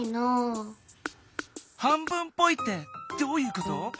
半分っぽいってどういうこと？